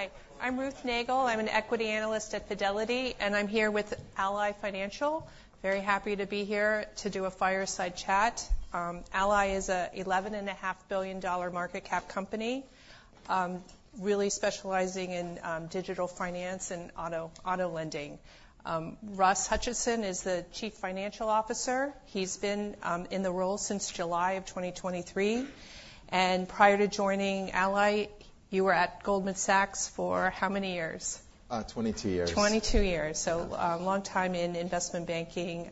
Hi, I'm Ruth Nagle. I'm an equity analyst at Fidelity, and I'm here with Ally Financial. Very happy to be here to do a fireside chat. Ally is an $11.5 billion market cap company, really specializing in digital finance and auto lending. Russ Hutchinson is the Chief Financial Officer. He's been in the role since July of 2023. And prior to joining Ally, you were at Goldman Sachs for how many years? 22 years. 22 years. So, long time in investment banking,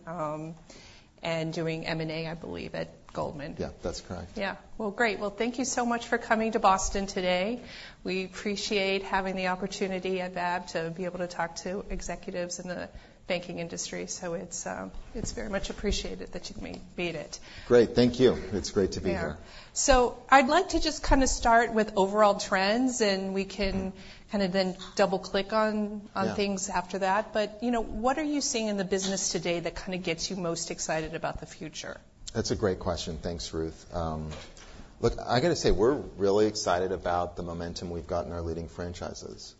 and doing M&A, I believe, at Goldman. Yeah, that's correct. Yeah. Well, great. Well, thank you so much for coming to Boston today. We appreciate having the opportunity at BAAB to be able to talk to executives in the banking industry. So it's very much appreciated that you made it. Great. Thank you. It's great to be here. Yeah. So I'd like to just kind of start with overall trends, and we can kind of then double-click on things after that. But, you know, what are you seeing in the business today that kind of gets you most excited about the future? That's a great question. Thanks, Ruth. Look, I gotta say we're really excited about the momentum we've got in our leading franchises.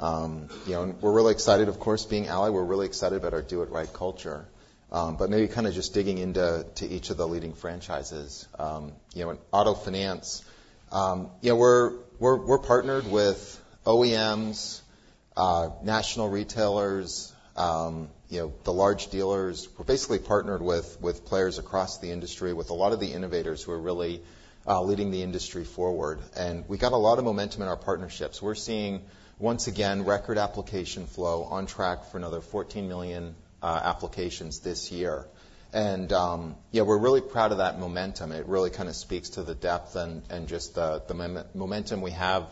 You know, we're really excited, of course, being Ally. We're really excited about our do-it-right culture, but maybe kind of just digging into each of the leading franchises, you know, in auto finance, you know, we're partnered with OEMs, national retailers, you know, the large dealers. We're basically partnered with players across the industry, with a lot of the innovators who are really leading the industry forward, and we got a lot of momentum in our partnerships. We're seeing, once again, record application flow on track for another 14 million applications this year, and yeah, we're really proud of that momentum. It really kind of speaks to the depth and just the momentum we have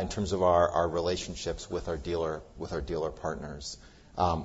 in terms of our relationships with our dealer partners.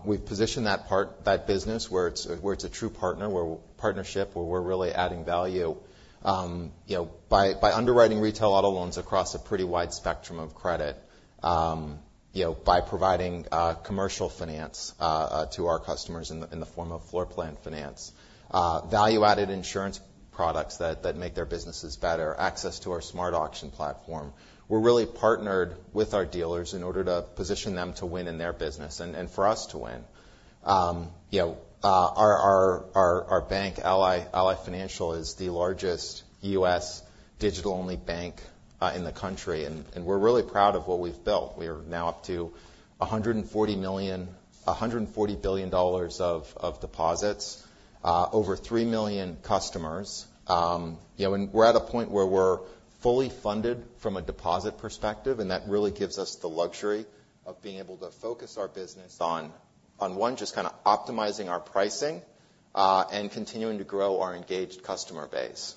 We've positioned that part, that business where it's a true partnership where we're really adding value, you know, by underwriting retail auto loans across a pretty wide spectrum of credit, you know, by providing commercial finance to our customers in the form of floor plan finance, value-added insurance products that make their businesses better, access to our SmartAuction platform. We're really partnered with our dealers in order to position them to win in their business and for us to win, you know. Our bank, Ally Financial, is the largest U.S. digital-only bank in the country. We're really proud of what we've built. We are now up to $140 billion of, of deposits, over three million customers. You know, and we're at a point where we're fully funded from a deposit perspective, and that really gives us the luxury of being able to focus our business on, on one, just kind of optimizing our pricing, and continuing to grow our engaged customer base,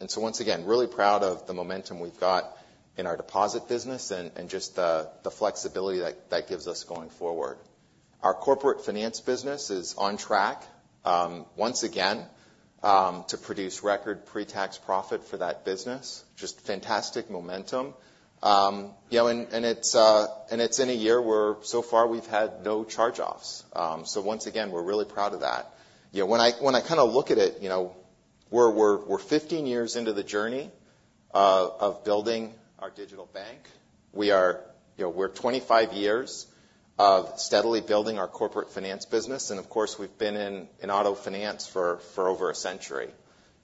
and so once again, really proud of the momentum we've got in our deposit business and, and just the, the flexibility that, that gives us going forward. Our corporate finance business is on track, once again, to produce record pre-tax profit for that business. Just fantastic momentum. You know, and, and it's, and it's in a year where so far we've had no charge-offs, so once again, we're really proud of that. You know, when I kind of look at it, you know, we're 15 years into the journey of building our digital bank. We are, you know, we're 25 years of steadily building our corporate finance business. And of course, we've been in auto finance for over a century.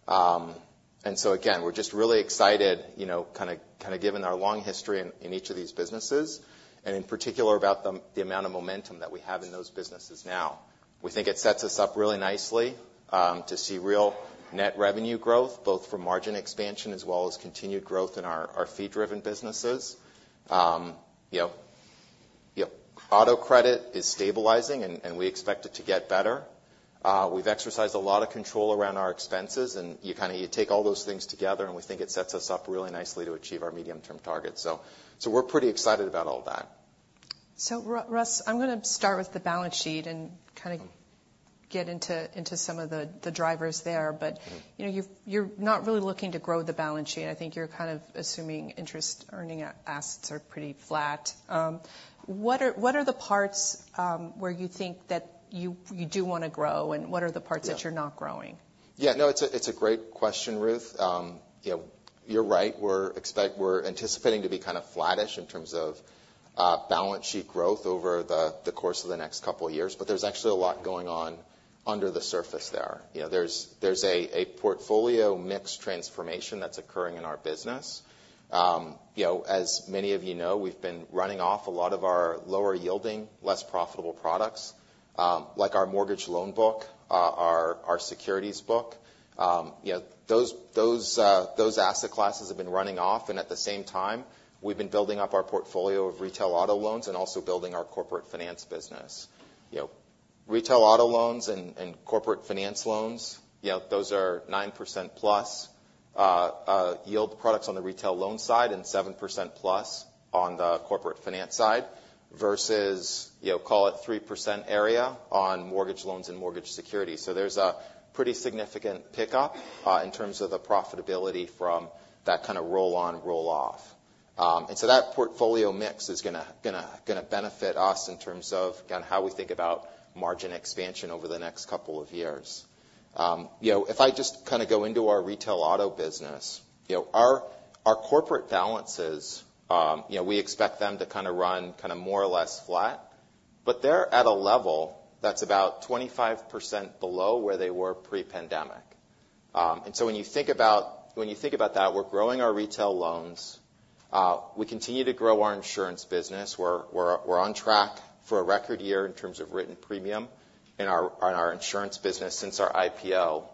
And so again, we're just really excited, you know, kind of given our long history in each of these businesses and in particular about the amount of momentum that we have in those businesses now. We think it sets us up really nicely to see real net revenue growth, both from margin expansion as well as continued growth in our fee-driven businesses. You know, auto credit is stabilizing, and we expect it to get better. We've exercised a lot of control around our expenses, and you kind of, you take all those things together, and we think it sets us up really nicely to achieve our medium-term targets. So, so we're pretty excited about all that. So Russ, I'm gonna start with the balance sheet and kind of get into some of the drivers there. But, you know, you've, you're not really looking to grow the balance sheet. I think you're kind of assuming interest earning assets are pretty flat. What are the parts where you think that you do wanna grow, and what are the parts that you're not growing? Yeah. No, it's a great question, Ruth. You know, you're right. We're anticipating to be kind of flattish in terms of balance sheet growth over the course of the next couple of years. But there's actually a lot going on under the surface there. You know, there's a portfolio mix transformation that's occurring in our business. You know, as many of you know, we've been running off a lot of our lower-yielding, less profitable products, like our mortgage loan book, our securities book. You know, those asset classes have been running off. And at the same time, we've been building up our portfolio of retail auto loans and also building our corporate finance business. You know, retail auto loans and corporate finance loans, you know, those are 9%+ yield products on the retail loan side and 7%+ on the corporate finance side versus, you know, call it 3% area on mortgage loans and mortgage security. So there's a pretty significant pickup in terms of the profitability from that kind of roll-on, roll-off. And so that portfolio mix is gonna benefit us in terms of kind of how we think about margin expansion over the next couple of years. You know, if I just kind of go into our retail auto business, you know, our corporate balances, you know, we expect them to kind of run kind of more or less flat, but they're at a level that's about 25% below where they were pre-pandemic. And so when you think about that, we're growing our retail loans. We continue to grow our insurance business. We're on track for a record year in terms of written premium in our insurance business since our IPO.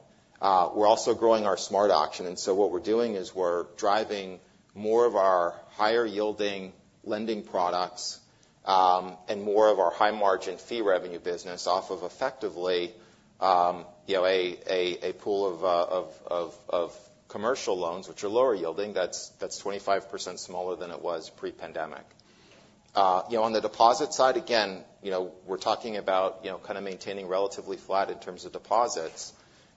We're also growing our SmartAuction. And so what we're doing is we're driving more of our higher-yielding lending products, and more of our high-margin fee revenue business off of effectively, you know, a pool of commercial loans, which are lower-yielding. That's 25% smaller than it was pre-pandemic. You know, on the deposit side, again, you know, we're talking about, you know, kind of maintaining relatively flat in terms of deposits.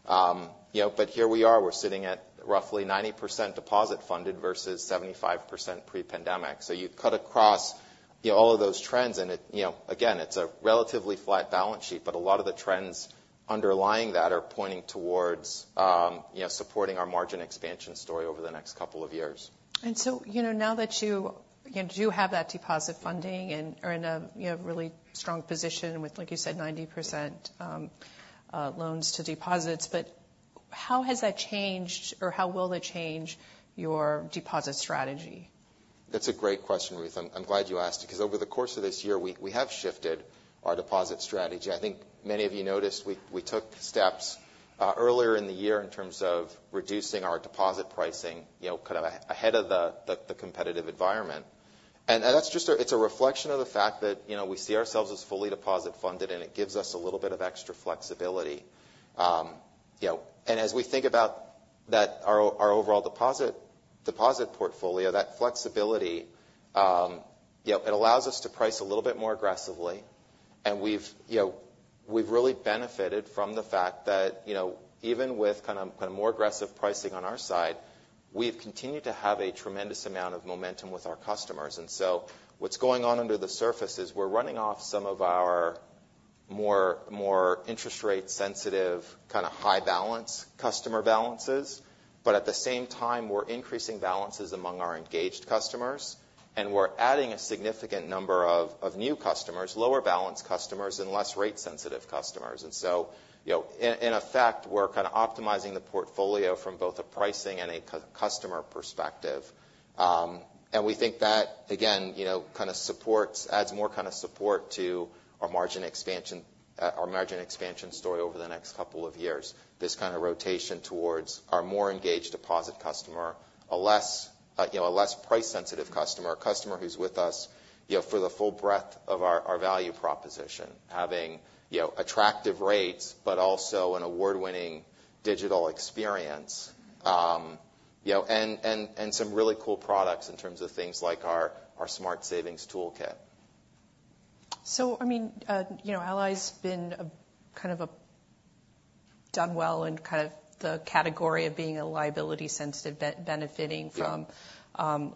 You know, but here we are, we're sitting at roughly 90% deposit funded versus 75% pre-pandemic. So, you cut across, you know, all of those trends, and it, you know, again, it's a relatively flat balance sheet, but a lot of the trends underlying that are pointing towards, you know, supporting our margin expansion story over the next couple of years. And so, you know, now that you, you know, do have that deposit funding and are in a, you know, really strong position with, like you said, 90% loans to deposits, but how has that changed or how will that change your deposit strategy? That's a great question, Ruth. I'm glad you asked it because over the course of this year, we have shifted our deposit strategy. I think many of you noticed we took steps earlier in the year in terms of reducing our deposit pricing, you know, kind of ahead of the competitive environment. And that's just it's a reflection of the fact that, you know, we see ourselves as fully deposit funded, and it gives us a little bit of extra flexibility, you know, and as we think about that, our overall deposit portfolio, that flexibility, you know, it allows us to price a little bit more aggressively. And we've, you know, we've really benefited from the fact that, you know, even with kind of more aggressive pricing on our side, we've continued to have a tremendous amount of momentum with our customers. And so what's going on under the surface is we're running off some of our more interest rate-sensitive kind of high-balance customer balances. But at the same time, we're increasing balances among our engaged customers, and we're adding a significant number of new customers, lower-balance customers, and less rate-sensitive customers. And so, you know, in effect, we're kind of optimizing the portfolio from both a pricing and a customer perspective. And we think that, again, you know, kind of supports, adds more kind of support to our margin expansion story over the next couple of years. This kind of rotation towards our more engaged deposit customer, a less, you know, a less price-sensitive customer, a customer who's with us, you know, for the full breadth of our value proposition, having, you know, attractive rates, but also an award-winning digital experience, you know, and some really cool products in terms of things like our Smart Savings Toolkit. I mean, you know, Ally's been kind of done well in kind of the category of being a liability-sensitive benefiting from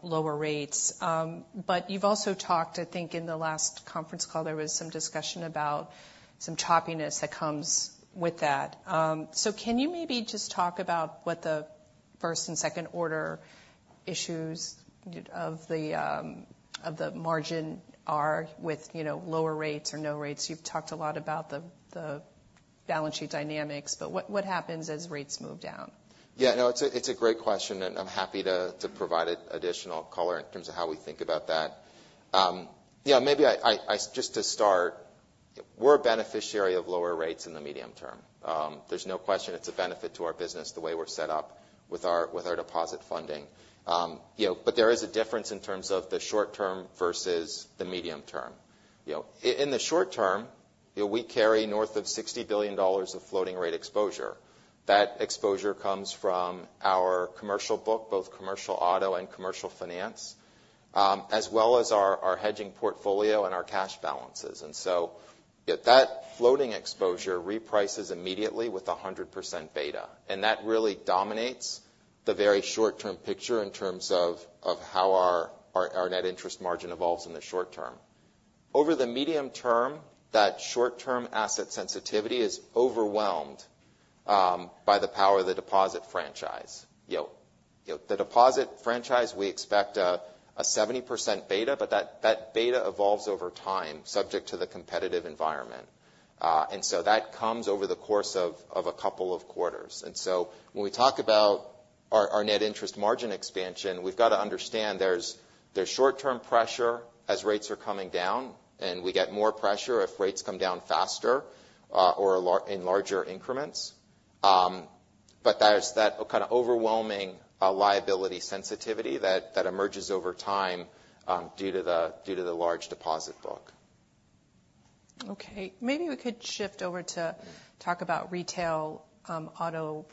lower rates, but you've also talked, I think in the last conference call, there was some discussion about some choppiness that comes with that. Can you maybe just talk about what the first and second order issues of the margin are with, you know, lower rates or no rates? You've talked a lot about the balance sheet dynamics, but what happens as rates move down? Yeah. No, it's a great question, and I'm happy to provide additional color in terms of how we think about that. You know, maybe I just to start, we're a beneficiary of lower rates in the medium term. There's no question it's a benefit to our business the way we're set up with our deposit funding. You know, but there is a difference in terms of the short term versus the medium term. You know, in the short term, you know, we carry north of $60 billion of floating rate exposure. That exposure comes from our commercial book, both commercial auto and commercial finance, as well as our hedging portfolio and our cash balances. And so, you know, that floating exposure reprices immediately with 100% beta, and that really dominates the very short-term picture in terms of how our net interest margin evolves in the short term. Over the medium term, that short-term asset sensitivity is overwhelmed by the power of the deposit franchise. You know, the deposit franchise, we expect a 70% beta, but that beta evolves over time subject to the competitive environment. And so that comes over the course of a couple of quarters. And so when we talk about our net interest margin expansion, we've got to understand there's short-term pressure as rates are coming down, and we get more pressure if rates come down faster, or in larger increments. But there's that kind of overwhelming liability sensitivity that emerges over time due to the large deposit book. Okay. Maybe we could shift over to talk about retail auto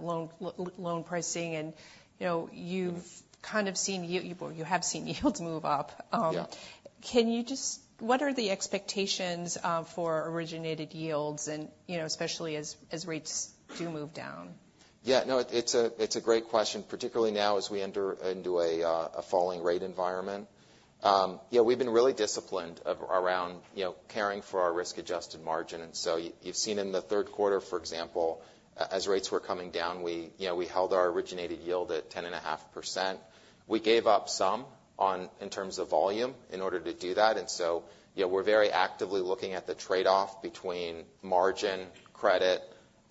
loan pricing, and, you know, you've kind of seen yield, you have seen yields move up. Yeah. Can you just, what are the expectations for originated yields and, you know, especially as rates do move down? Yeah. No, it's a great question, particularly now as we enter into a falling rate environment. You know, we've been really disciplined around, you know, caring for our risk-adjusted margin. And so you've seen in the third quarter, for example, as rates were coming down, we, you know, we held our originated yield at 10.5%. We gave up some on in terms of volume in order to do that. And so, you know, we're very actively looking at the trade-off between margin, credit,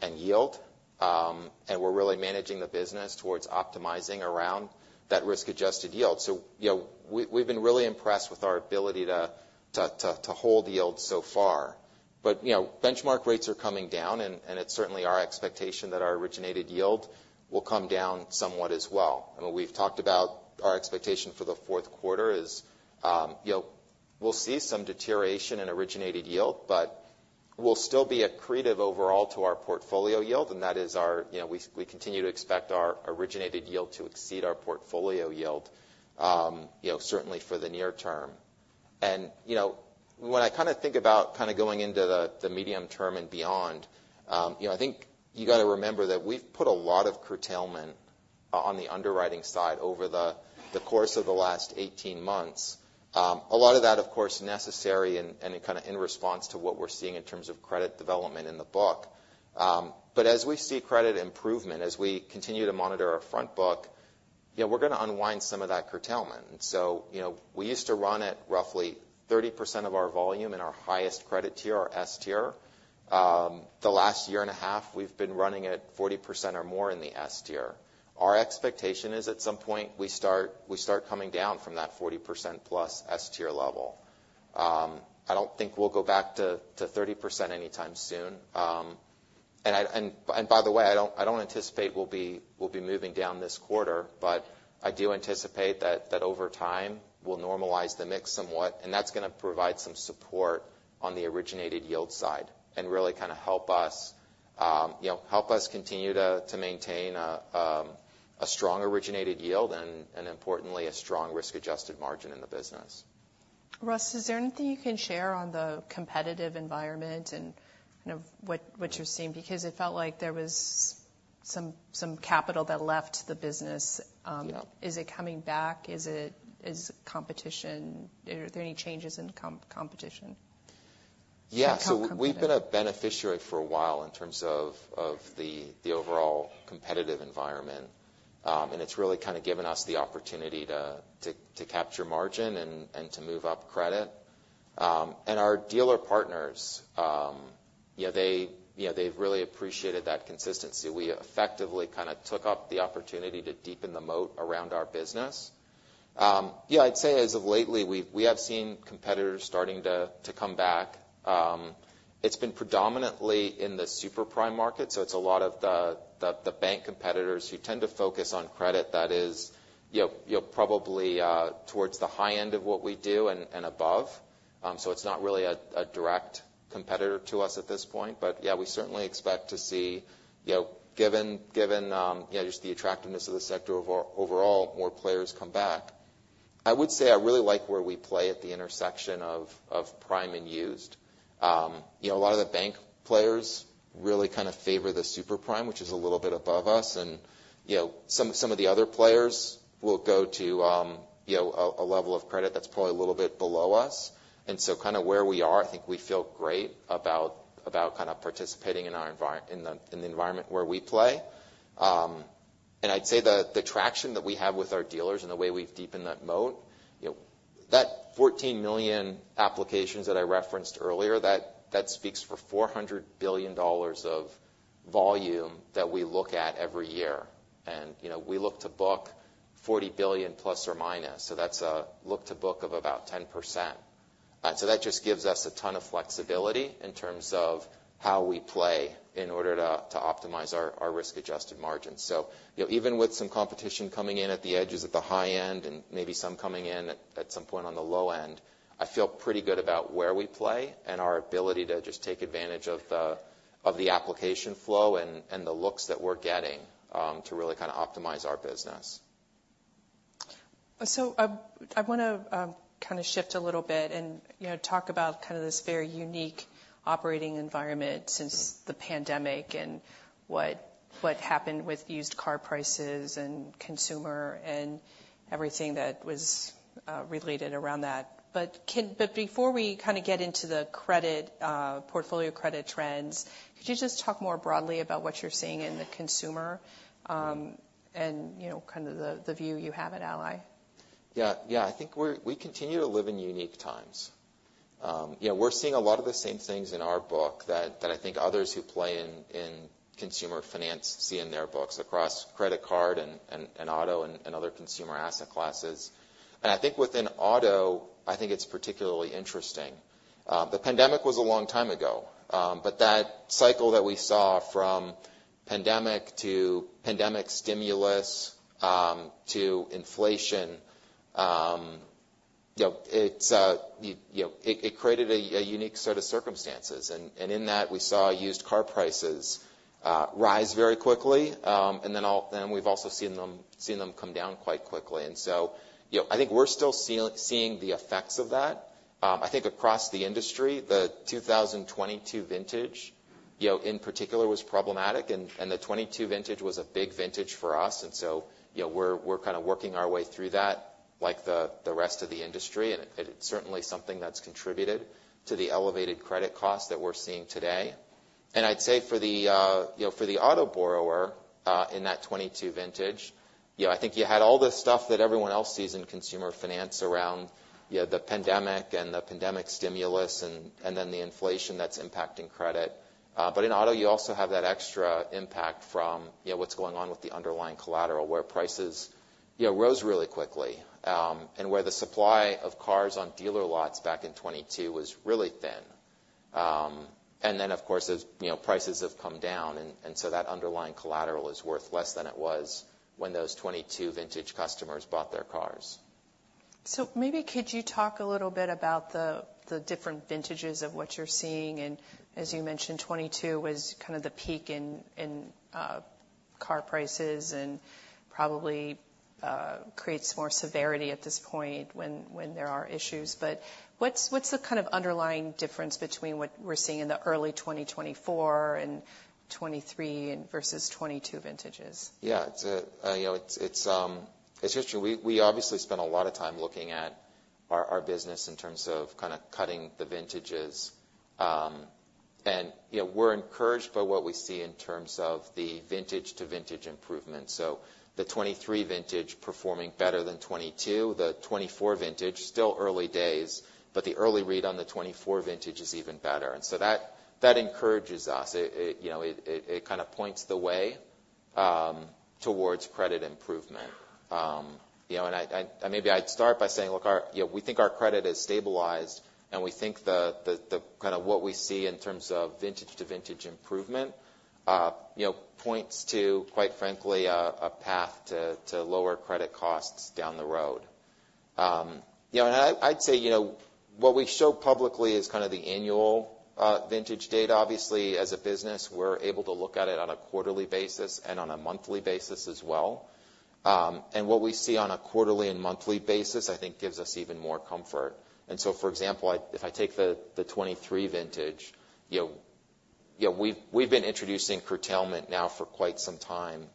and yield. And we're really managing the business towards optimizing around that risk-adjusted yield. So, you know, we, we've been really impressed with our ability to hold yield so far. But, you know, benchmark rates are coming down, and it's certainly our expectation that our originated yield will come down somewhat as well. I mean, we've talked about our expectation for the fourth quarter is, you know, we'll see some deterioration in originated yield, but we'll still be accretive overall to our portfolio yield. And that is our, you know, we continue to expect our originated yield to exceed our portfolio yield, you know, certainly for the near term. And, you know, when I kind of think about kind of going into the medium term and beyond, you know, I think you got to remember that we've put a lot of curtailment on the underwriting side over the course of the last 18 months. A lot of that, of course, necessary and kind of in response to what we're seeing in terms of credit development in the book. But as we see credit improvement, as we continue to monitor our front book, you know, we're going to unwind some of that curtailment. And so, you know, we used to run at roughly 30% of our volume in our highest credit tier, our S Tier. The last year and a half, we've been running at 40% or more in the S Tier. Our expectation is at some point we start coming down from that 40%+ S Tier level. I don't think we'll go back to 30% anytime soon. And by the way, I don't anticipate we'll be moving down this quarter, but I do anticipate that over time we'll normalize the mix somewhat, and that's going to provide some support on the originated yield side and really kind of help us, you know, help us continue to maintain a strong originated yield and importantly, a strong risk-adjusted margin in the business. Russ, is there anything you can share on the competitive environment and kind of what you're seeing? Because it felt like there was some capital that left the business. Is it coming back? Is competition? Are there any changes in competition? Yeah. So we've been a beneficiary for a while in terms of the overall competitive environment. And it's really kind of given us the opportunity to capture margin and to move up credit. Our dealer partners, you know, they've really appreciated that consistency. We effectively kind of took up the opportunity to deepen the moat around our business. You know, I'd say as of lately, we've seen competitors starting to come back. It's been predominantly in the super prime market. So it's a lot of the bank competitors who tend to focus on credit that is, you know, probably towards the high end of what we do and above. So it's not really a direct competitor to us at this point. Yeah, we certainly expect to see, you know, given the attractiveness of the sector overall, more players come back. I would say I really like where we play at the intersection of prime and used. You know, a lot of the bank players really kind of favor the Super Prime, which is a little bit above us. And, you know, some of the other players will go to, you know, a level of credit that's probably a little bit below us. And so kind of where we are, I think we feel great about kind of participating in our environment, in the environment where we play. And I'd say the traction that we have with our dealers and the way we've deepened that moat, you know, that 14 million applications that I referenced earlier, that speaks for $400 billion of volume that we look at every year. And, you know, we look to book $40 billion±. So that's a look to book of about 10%. And so that just gives us a ton of flexibility in terms of how we play in order to optimize our risk-adjusted margin. So, you know, even with some competition coming in at the edges at the high end and maybe some coming in at some point on the low end, I feel pretty good about where we play and our ability to just take advantage of the application flow and the looks that we're getting, to really kind of optimize our business. So I want to kind of shift a little bit and, you know, talk about kind of this very unique operating environment since the pandemic and what happened with used car prices and consumer and everything that was related around that. But before we kind of get into the credit portfolio credit trends, could you just talk more broadly about what you're seeing in the consumer, and, you know, kind of the view you have at Ally? Yeah. Yeah. I think we continue to live in unique times, you know. We're seeing a lot of the same things in our book that I think others who play in consumer finance see in their books across credit card and auto and other consumer asset classes. I think within auto, it's particularly interesting. The pandemic was a long time ago, but that cycle that we saw from pandemic to pandemic stimulus to inflation, you know, it created a unique set of circumstances. In that, we saw used car prices rise very quickly, and then we've also seen them come down quite quickly. You know, I think we're still seeing the effects of that. I think across the industry, the 2022 vintage, you know, in particular, was problematic. And the 2022 vintage was a big vintage for us. And so, you know, we're kind of working our way through that like the rest of the industry. And it's certainly something that's contributed to the elevated credit costs that we're seeing today. And I'd say, you know, for the auto borrower, in that 2022 vintage, you know, I think you had all the stuff that everyone else sees in consumer finance around, you know, the pandemic and the pandemic stimulus and then the inflation that's impacting credit. But in auto, you also have that extra impact from, you know, what's going on with the underlying collateral where prices, you know, rose really quickly, and where the supply of cars on dealer lots back in 2022 was really thin. And then, of course, as you know, prices have come down, and so that underlying collateral is worth less than it was when those 2022 vintage customers bought their cars. So maybe could you talk a little bit about the different vintages of what you're seeing? And as you mentioned, 2022 was kind of the peak in car prices and probably creates more severity at this point when there are issues. But what's the kind of underlying difference between what we're seeing in the early 2024 and 2023 and versus 2022 vintages? Yeah. It's a, you know, it's interesting. We obviously spent a lot of time looking at our business in terms of kind of cutting the vintages, and, you know, we're encouraged by what we see in terms of the vintage-to-vintage improvement. So the 2023 vintage performing better than 2022, the 2024 vintage still early days, but the early read on the 2024 vintage is even better. And so that encourages us. It, you know, it kind of points the way towards credit improvement. You know, and I maybe I'd start by saying, look, you know, we think our credit has stabilized, and we think the kind of what we see in terms of vintage-to-vintage improvement, you know, points to, quite frankly, a path to lower credit costs down the road. You know, and I, I'd say, you know, what we show publicly is kind of the annual vintage data. Obviously, as a business, we're able to look at it on a quarterly basis and on a monthly basis as well. And what we see on a quarterly and monthly basis, I think, gives us even more comfort. And so, for example, I, if I take the, the 2023 vintage, you know, you know, we've, we've been introducing curtailment now for quite some time.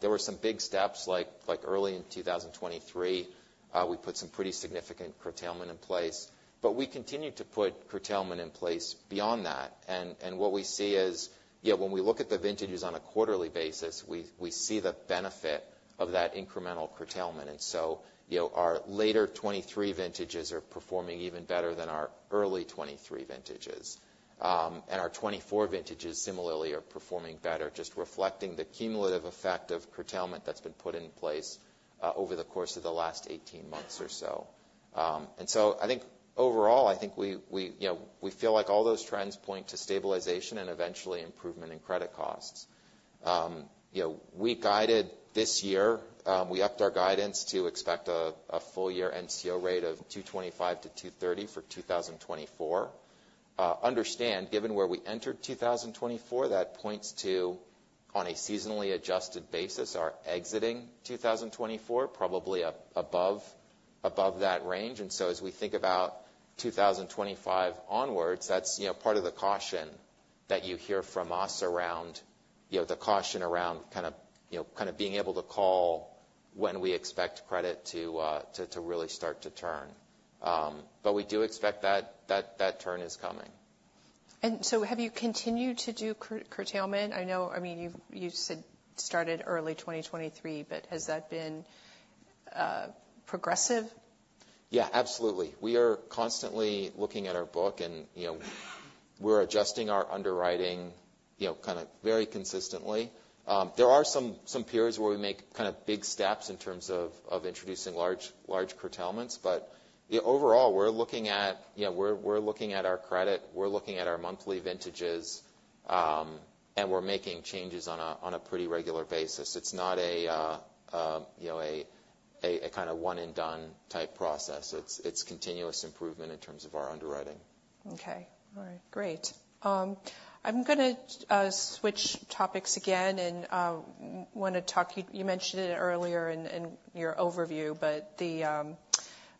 There were some big steps like, like early in 2023, we put some pretty significant curtailment in place, but we continue to put curtailment in place beyond that. And, and what we see is, you know, when we look at the vintages on a quarterly basis, we, we see the benefit of that incremental curtailment. And so, you know, our later 2023 vintages are performing even better than our early 2023 vintages. And our 2024 vintages similarly are performing better, just reflecting the cumulative effect of curtailment that's been put in place, over the course of the last 18 months or so. And so I think overall, I think we, we, you know, we feel like all those trends point to stabilization and eventually improvement in credit costs. You know, we guided this year, we upped our guidance to expect a, a full year NCO rate of 225-230 for 2024. Understand, given where we entered 2024, that points to, on a seasonally adjusted basis, our exiting 2024, probably above, above that range. And so as we think about 2025 onwards, that's, you know, part of the caution that you hear from us around, you know, the caution around kind of, you know, kind of being able to call when we expect credit to really start to turn. But we do expect that turn is coming. So have you continued to do curtailment? I know, I mean, you've you said started early 2023, but has that been progressive? Yeah, absolutely. We are constantly looking at our book and, you know, we're adjusting our underwriting, you know, kind of very consistently. There are some periods where we make kind of big steps in terms of introducing large curtailments. But, you know, overall, we're looking at our credit, we're looking at our monthly vintages, and we're making changes on a pretty regular basis. It's not a, you know, a kind of one-and-done type process. It's continuous improvement in terms of our underwriting. Okay. All right. Great. I'm going to switch topics again and want to talk. You mentioned it earlier in your overview, but the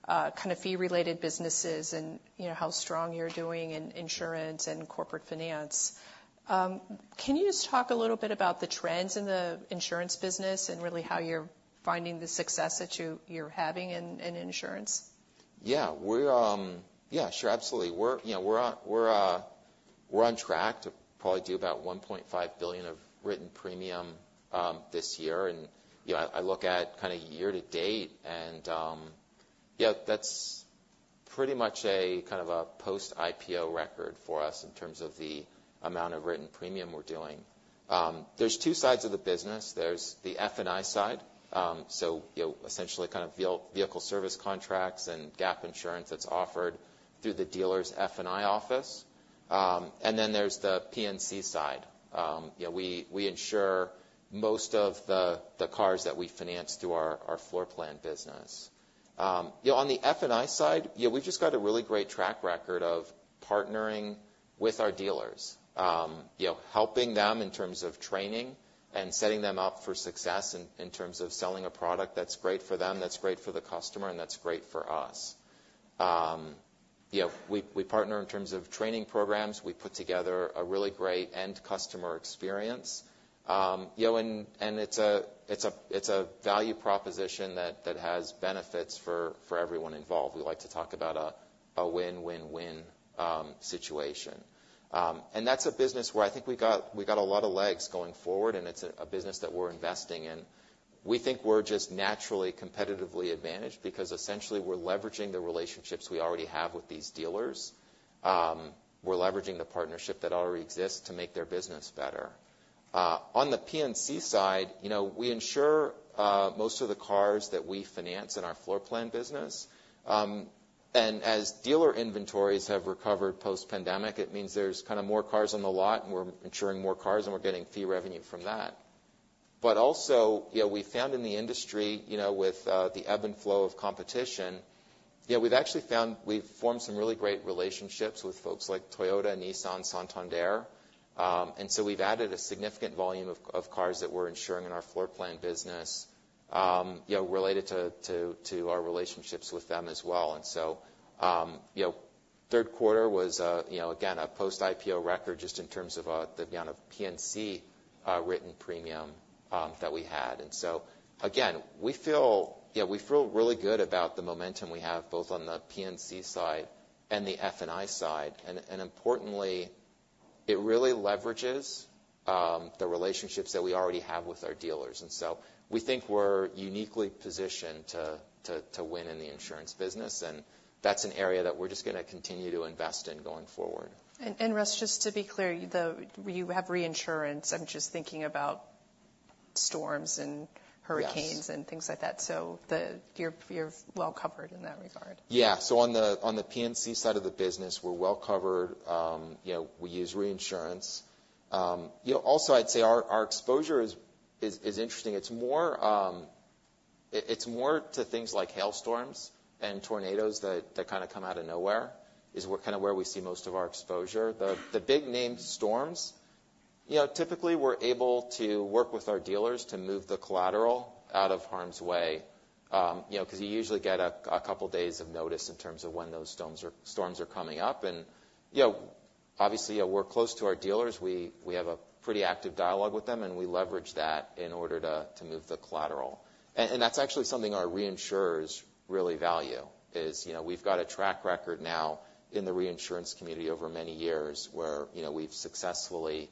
kind of fee-related businesses and, you know, how strong you're doing in insurance and corporate finance. Can you just talk a little bit about the trends in the insurance business and really how you're finding the success that you're having in insurance? Yeah. We're sure. Absolutely. We're on track to probably do about $1.5 billion of written premium this year. You know, I look at year to date and yeah, that's pretty much a post-IPO record for us in terms of the amount of written premium we're doing. There are two sides of the business. There's the F&I side. So, you know, essentially kind of vehicle service contracts and gap insurance that's offered through the dealer's F&I office. Then there's the P&C side. You know, we ensure most of the cars that we finance through our floor plan business. You know, on the F&I side, you know, we've just got a really great track record of partnering with our dealers, you know, helping them in terms of training and setting them up for success in terms of selling a product that's great for them, that's great for the customer, and that's great for us. You know, we partner in terms of training programs. We put together a really great end customer experience. You know, and it's a value proposition that has benefits for everyone involved. We like to talk about a win-win-win situation, and that's a business where I think we got a lot of legs going forward and it's a business that we're investing in. We think we're just naturally competitively advantaged because essentially we're leveraging the relationships we already have with these dealers. We're leveraging the partnership that already exists to make their business better. On the P&C side, you know, we insure most of the cars that we finance in our floor plan business, and as dealer inventories have recovered post-pandemic, it means there's kind of more cars on the lot and we're insuring more cars and we're getting fee revenue from that. But also, you know, we found in the industry, you know, with the ebb and flow of competition, you know, we've actually formed some really great relationships with folks like Toyota, Nissan, Santander. And so we've added a significant volume of cars that we're insuring in our floor plan business, you know, related to our relationships with them as well. And so, you know, third quarter was a, you know, again, a post-IPO record just in terms of the amount of P&C written premium that we had. And so, again, we feel, you know, really good about the momentum we have both on the P&C side and the F&I side. And importantly, it really leverages the relationships that we already have with our dealers. And so we think we're uniquely positioned to win in the insurance business. And that's an area that we're just going to continue to invest in going forward. Russ, just to be clear, you have reinsurance. I'm just thinking about storms and hurricanes and things like that. So you're well covered in that regard. Yeah. So on the P&C side of the business, we're well covered. You know, we use reinsurance. You know, also I'd say our exposure is interesting. It's more to things like hailstorms and tornadoes that kind of come out of nowhere is what kind of where we see most of our exposure. The big name storms, you know, typically we're able to work with our dealers to move the collateral out of harm's way, you know, because you usually get a couple days of notice in terms of when those storms are coming up. And, you know, obviously, you know, we're close to our dealers. We have a pretty active dialogue with them and we leverage that in order to move the collateral. That's actually something our reinsurers really value is, you know, we've got a track record now in the reinsurance community over many years where, you know, we've successfully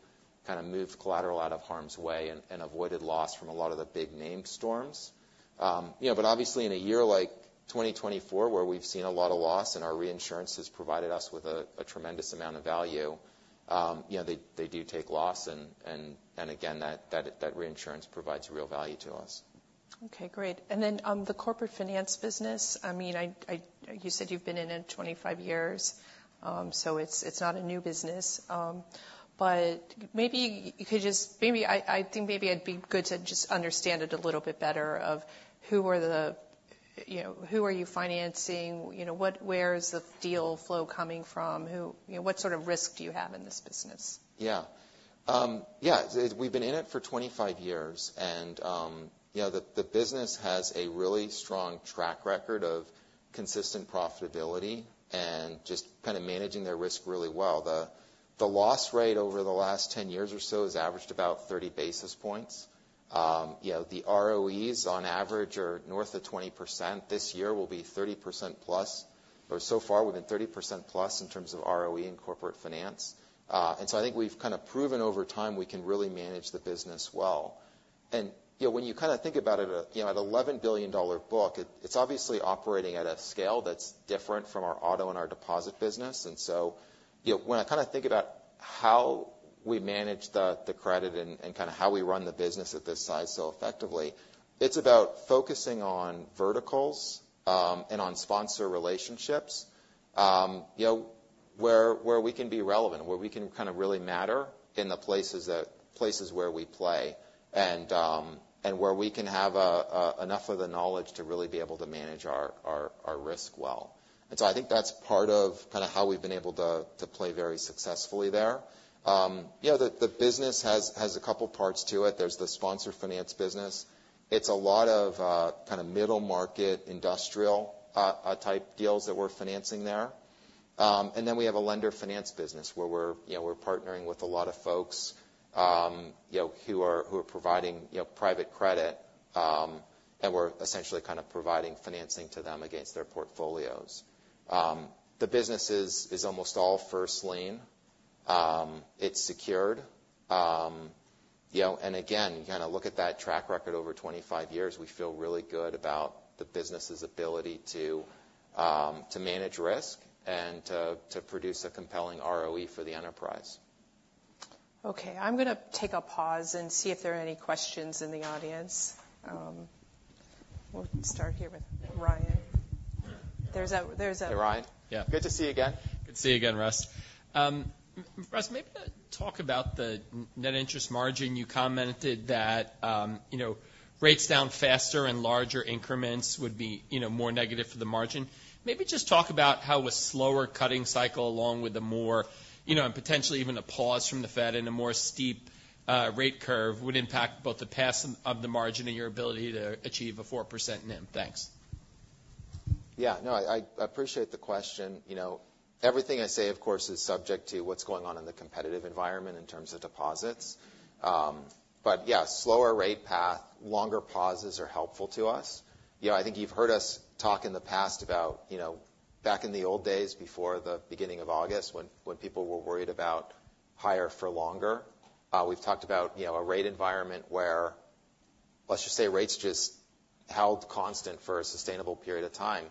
kind of moved collateral out of harm's way and avoided loss from a lot of the big name storms. You know, but obviously in a year like 2024 where we've seen a lot of loss and our reinsurance has provided us with a tremendous amount of value, you know, they do take loss and again, that reinsurance provides real value to us. Okay. Great. And then, the corporate finance business, I mean, you said you've been in it 25 years, so it's not a new business, but maybe, I think it'd be good to just understand it a little bit better of who are the, you know, who are you financing? You know, what, where's the deal flow coming from? Who, you know, what sort of risk do you have in this business? Yeah, yeah, we've been in it for 25 years and, you know, the business has a really strong track record of consistent profitability and just kind of managing their risk really well. The loss rate over the last 10 years or so has averaged about 30 basis points. You know, the ROEs on average are north of 20%. This year will be 30%+, or so far we've been 30%+ in terms of ROE and corporate finance. And so I think we've kind of proven over time we can really manage the business well. And, you know, when you kind of think about it, you know, at $11 billion book, it's obviously operating at a scale that's different from our auto and our deposit business. And so, you know, when I kind of think about how we manage the credit and kind of how we run the business at this size so effectively, it's about focusing on verticals and on sponsor relationships, you know, where we can be relevant, where we can kind of really matter in the places where we play and where we can have enough of the knowledge to really be able to manage our risk well. And so I think that's part of kind of how we've been able to play very successfully there. You know, the business has a couple parts to it. There's the sponsor finance business. It's a lot of kind of middle market industrial type deals that we're financing there. And then we have a lender finance business where we're, you know, we're partnering with a lot of folks, you know, who are, who are providing, you know, private credit, and we're essentially kind of providing financing to them against their portfolios. The business is almost all first lien. It's secured. You know, and again, you kind of look at that track record over 25 years, we feel really good about the business's ability to manage risk and to produce a compelling ROE for the enterprise. Okay. I'm going to take a pause and see if there are any questions in the audience. We'll start here with Ryan. Hey, Ryan. Yeah. Good to see you again. Good to see you again, Russ. Russ, maybe talk about the net interest margin. You commented that, you know, rates down faster and larger increments would be, you know, more negative for the margin. Maybe just talk about how a slower cutting cycle along with a more, you know, and potentially even a pause from the Fed and a more steep rate curve would impact both the path of the margin and your ability to achieve a 4% NIM. Thanks. Yeah. No, I appreciate the question. You know, everything I say, of course, is subject to what's going on in the competitive environment in terms of deposits. But yeah, slower rate path, longer pauses are helpful to us. You know, I think you've heard us talk in the past about, you know, back in the old days before the beginning of August when people were worried about higher for longer. We've talked about, you know, a rate environment where, let's just say rates just held constant for a sustainable period of time. You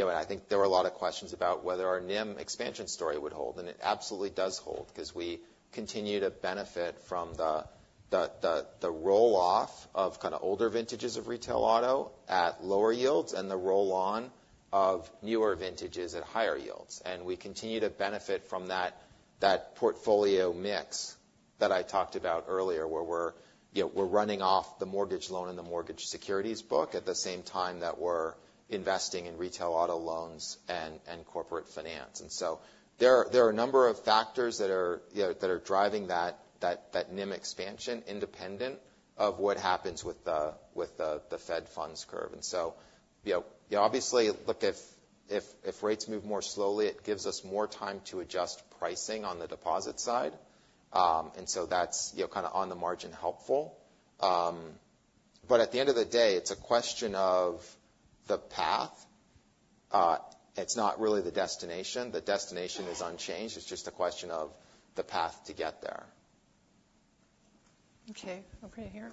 know, and I think there were a lot of questions about whether our NIM expansion story would hold. And it absolutely does hold because we continue to benefit from the roll off of kind of older vintages of retail auto at lower yields and the roll on of newer vintages at higher yields. And we continue to benefit from that portfolio mix that I talked about earlier where we're, you know, we're running off the mortgage loan and the mortgage securities book at the same time that we're investing in retail auto loans and corporate finance. And so there are a number of factors that are, you know, that are driving that NIM expansion independent of what happens with the Fed funds curve. And so, you know, obviously, look, if rates move more slowly, it gives us more time to adjust pricing on the deposit side. And so that's, you know, kind of on the margin helpful. But at the end of the day, it's a question of the path. It's not really the destination. The destination is unchanged. It's just a question of the path to get there. Okay. Okay. Here.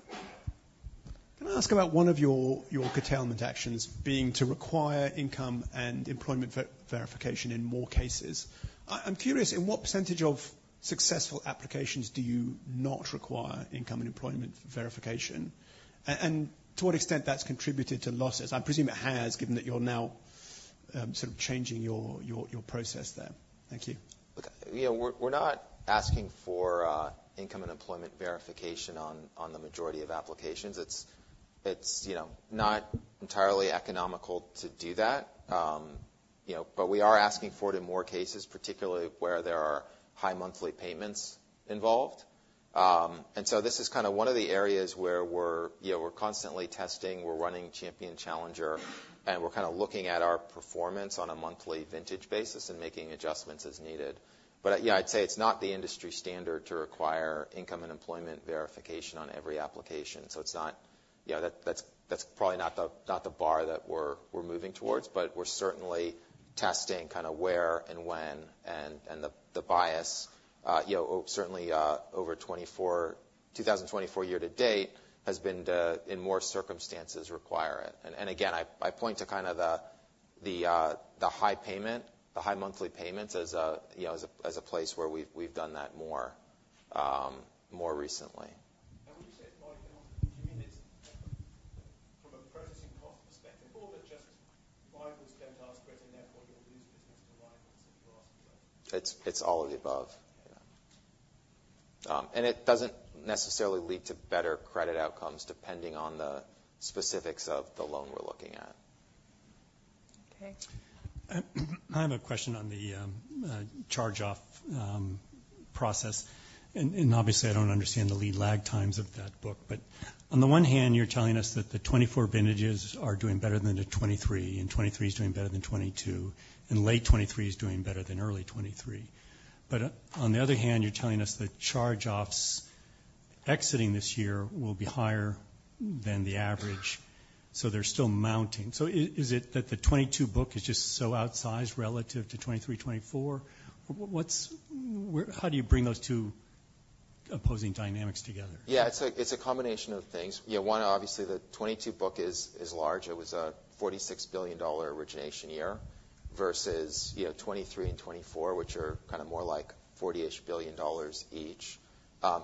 Can I ask about one of your curtailment actions being to require income and employment verification in more cases? I'm curious, in what percentage of successful applications do you not require income and employment verification? And to what extent that's contributed to losses? I presume it has given that you're now, sort of changing your process there. Thank you. Look, you know, we're not asking for income and employment verification on the majority of applications. It's you know not entirely economical to do that. You know, but we are asking for it in more cases, particularly where there are high monthly payments involved, and so this is kind of one of the areas where we're you know constantly testing, we're running Champion Challenger, and we're kind of looking at our performance on a monthly vintage basis and making adjustments as needed. But you know, I'd say it's not the industry standard to require income and employment verification on every application. So it's not, you know, that's probably not the bar that we're moving towards, but we're certainly testing kind of where and when and the bias, you know, certainly over 2024 year to date has been to, in more circumstances, require it. And again, I point to kind of the high payment, the high monthly payments as a, you know, as a place where we've done that more recently. And when you say, like, the monthly, do you mean it's from a processing cost perspective or that just rivals don't ask for it and therefore you'll lose business to rivals if you ask for it? It's all of the above. Yeah, and it doesn't necessarily lead to better credit outcomes depending on the specifics of the loan we're looking at. Okay. I have a question on the charge-off process. And obviously I don't understand the lead lag times of that book, but on the one hand, you're telling us that the 2024 vintages are doing better than the 2023 and 2023 is doing better than 2022 and late 2023 is doing better than early 2023. But on the other hand, you're telling us the charge-offs exiting this year will be higher than the average. So they're still mounting. So is it that the 2022 book is just so outsized relative to 2023, 2024? What's how do you bring those two opposing dynamics together? Yeah. It's a combination of things. You know, one, obviously the 2022 book is large. It was a $46 billion origination year versus, you know, 2023 and 2024, which are kind of more like $40-ish billion each.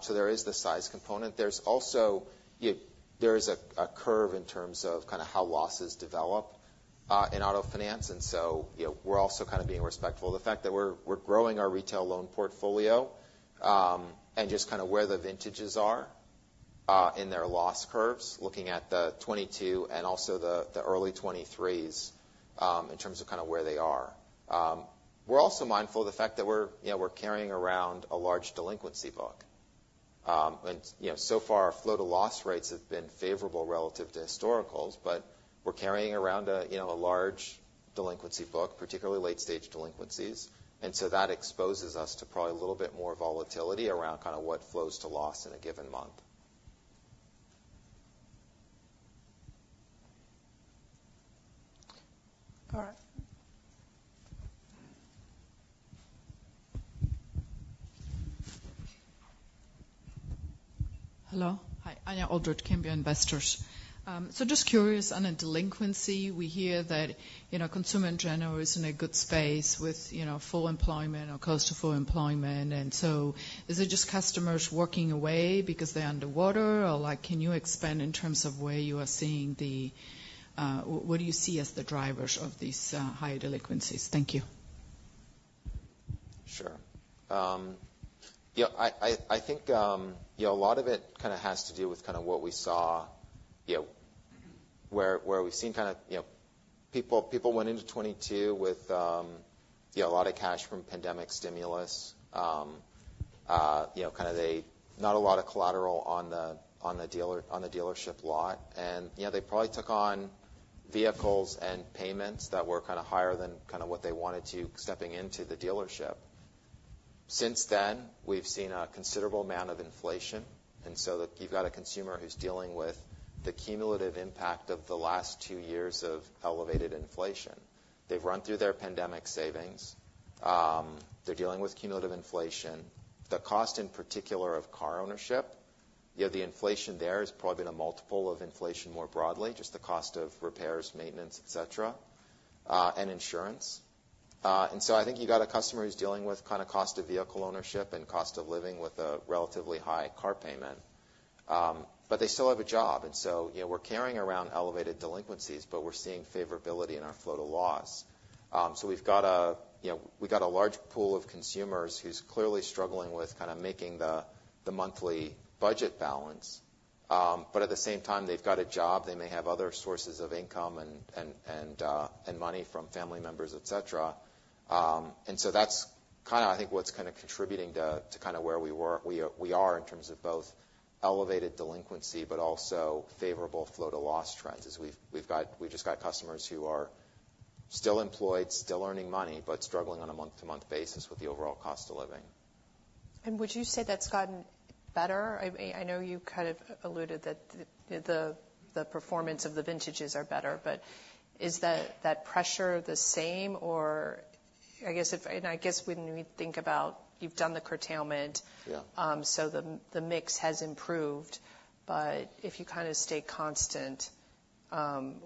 So there is the size component. There's also, you know, there is a curve in terms of kind of how losses develop in auto finance. And so, you know, we're also kind of being respectful of the fact that we're growing our retail loan portfolio, and just kind of where the vintages are in their loss curves, looking at the 2022 and also the early 2023s, in terms of kind of where they are. We're also mindful of the fact that we're, you know, we're carrying around a large delinquency book. And, you know, so far our flow to loss rates have been favorable relative to historicals, but we're carrying around a, you know, a large delinquency book, particularly late-stage delinquencies. And so that exposes us to probably a little bit more volatility around kind of what flows to loss in a given month. All right. Hello. Hi, Ania Aldrich, Cambiar Investors. So just curious on a delinquency, we hear that, you know, consumer in general is in a good space with, you know, full employment or close to full employment. And so is it just customers walking away because they're underwater or like, can you expand in terms of where you are seeing the, what do you see as the drivers of these, high delinquencies? Thank you. Sure. You know, I think, you know, a lot of it kind of has to do with kind of what we saw, you know, where we've seen kind of, you know, people went into 2022 with, you know, a lot of cash from pandemic stimulus. You know, kind of they not a lot of collateral on the dealer, on the dealership lot, and you know, they probably took on vehicles and payments that were kind of higher than kind of what they wanted to stepping into the dealership. Since then, we've seen a considerable amount of inflation, and so that you've got a consumer who's dealing with the cumulative impact of the last two years of elevated inflation. They've run through their pandemic savings. They're dealing with cumulative inflation. The cost in particular of car ownership, you know, the inflation there has probably been a multiple of inflation more broadly, just the cost of repairs, maintenance, et cetera, and insurance. So I think you've got a customer who's dealing with kind of cost of vehicle ownership and cost of living with a relatively high car payment, but they still have a job. And so, you know, we're carrying around elevated delinquencies, but we're seeing favorability in our flow to loss. So we've got, you know, a large pool of consumers who's clearly struggling with kind of making the monthly budget balance, but at the same time, they've got a job. They may have other sources of income and money from family members, et cetera. And so that's kind of, I think, what's kind of contributing to kind of where we are in terms of both elevated delinquency, but also favorable flow to loss trends as we've just got customers who are still employed, still earning money, but struggling on a month-to-month basis with the overall cost of living. And would you say that's gotten better? I know you kind of alluded that the performance of the vintages are better, but is that pressure the same or I guess if, and I guess when we think about you've done the curtailment. Yeah. So the mix has improved, but if you kind of stay constant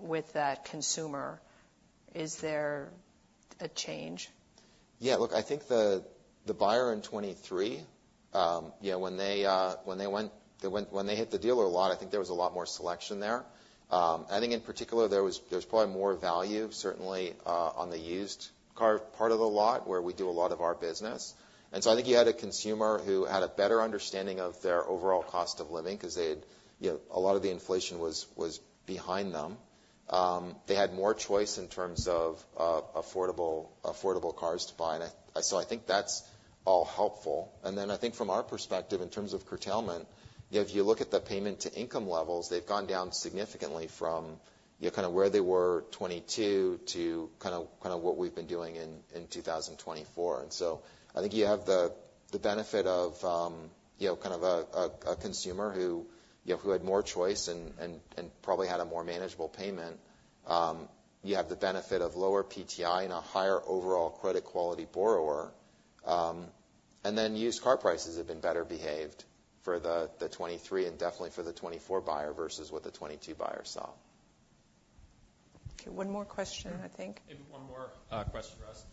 with that consumer, is there a change? Yeah. Look, I think the buyer in 2023, you know, when they hit the dealer lot, I think there was a lot more selection there. I think in particular there was probably more value, certainly, on the used car part of the lot where we do a lot of our business. And so I think you had a consumer who had a better understanding of their overall cost of living because you know a lot of the inflation was behind them. They had more choice in terms of affordable cars to buy. And so I think that's all helpful. And then I think from our perspective in terms of curtailment, you know, if you look at the payment to income levels, they've gone down significantly from, you know, kind of where they were 2022 to kind of what we've been doing in 2024. And so I think you have the benefit of, you know, kind of a consumer who, you know, who had more choice and probably had a more manageable payment. You have the benefit of lower PTI and a higher overall credit quality borrower. And then used car prices have been better behaved for the 2023 and definitely for the 2024 buyer versus what the 2022 buyer saw. Okay. One more question, I think. Maybe one more question, Russ.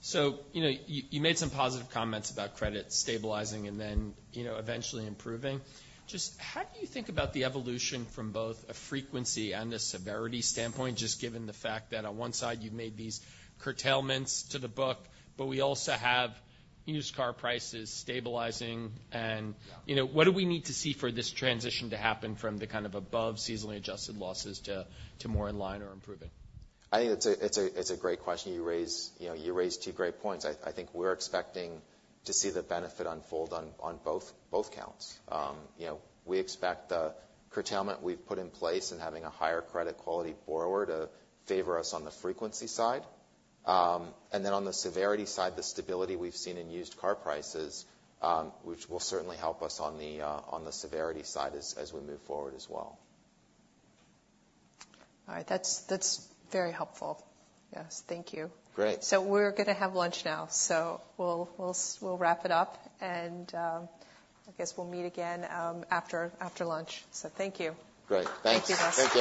So, you know, you made some positive comments about credit stabilizing and then, you know, eventually improving. Just how do you think about the evolution from both a frequency and the severity standpoint, just given the fact that on one side you've made these curtailments to the book, but we also have used car prices stabilizing and, you know, what do we need to see for this transition to happen from the kind of above seasonally adjusted losses to more in line or improving? I think it's a great question you raise. You know, you raised two great points. I think we're expecting to see the benefit unfold on both counts. You know, we expect the curtailment we've put in place and having a higher credit quality borrower to favor us on the frequency side, and then on the severity side, the stability we've seen in used car prices, which will certainly help us on the severity side as we move forward as well. All right. That's, that's very helpful. Yes. Thank you. Great. So we're gonna have lunch now. So we'll wrap it up and, I guess we'll meet again after lunch. So thank you. Great. Thanks. Thank you, Russ.